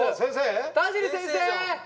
田尻先生！